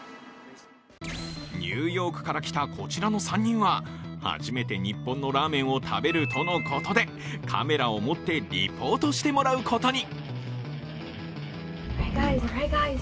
ニューヨークから来たこちらの３人は初めて日本のラーメンを食べるとのことで、カメラを持ってリポートしてもらうことに。